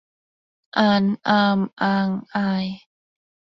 อาน อาม อาง อาย